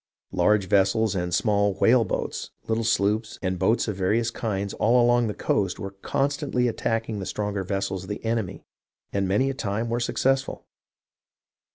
Large vessels and small " whaleboats," little sloops, and boats of various kinds all along the coast were constantly attacking the stronger vessels of the enemy, and many a time were successful.